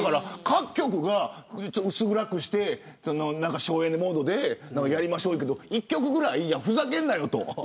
各局が薄暗くして省エネモードでやりましょうって言ってるけど１局くらいふざけんなよと。